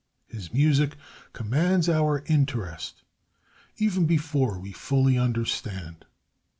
His music commands our interest even before we fully understand.